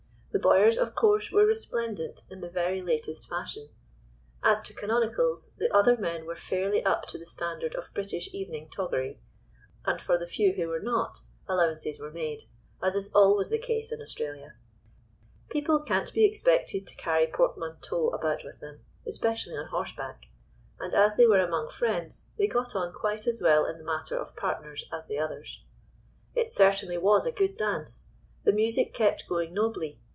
The Bowyers, of course, were resplendent in "the very latest" fashion; as to canonicals, the other men were fairly up to the standard of British evening toggery, and for the few who were not, allowances were made, as is always the case in Australia. People can't be expected to carry portmanteaux about with them, especially on horseback, and as they were among friends they got on quite as well in the matter of partners as the others. It certainly was a good dance. The music kept going nobly.